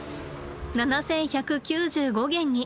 ７，１９５元に。